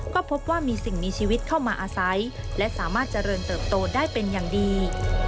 ก็พบว่ามีสิ่งมีชีวิตเข้ามาอาศัยและสามารถเจริญเติบโตได้เป็นอย่างดี